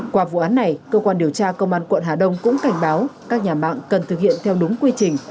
qua vụ án này cơ quan điều tra công an quận hà đông cũng cảnh báo các nhà mạng cần thực hiện theo đúng quy trình